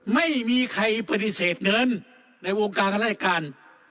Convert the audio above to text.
ไม่มีใครปฏิเสธเงินในวงการราชการ